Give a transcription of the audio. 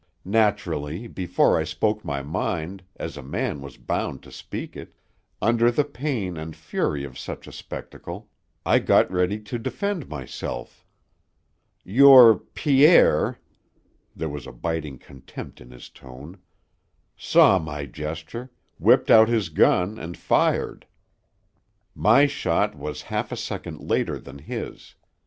Naturally, before I spoke my mind, as a man was bound to speak it, under the pain and fury of such a spectacle, I got ready to defend myself. Your Pierre" there was a biting contempt in his tone "saw my gesture, whipped out his gun, and fired. My shot was half a second later than his.